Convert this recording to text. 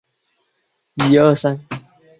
土岐赖元是土岐赖艺的四男。